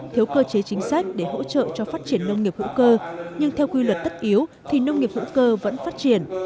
thiếu cơ chế chính sách để hỗ trợ cho phát triển nông nghiệp hữu cơ nhưng theo quy luật tất yếu thì nông nghiệp hữu cơ vẫn phát triển